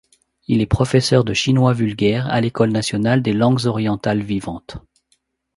Il est professeur de chinois vulgaire à l'École nationale des Langues orientales vivantes.